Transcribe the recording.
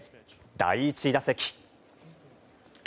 第１打席。